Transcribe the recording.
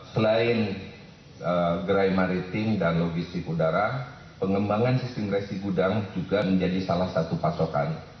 selain gerai maritim dan logistik udara pengembangan sistem resi gudang juga menjadi salah satu pasokan